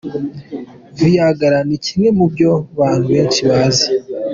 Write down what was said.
Viagra” ni kimwe mu byo bantu benshi bazi.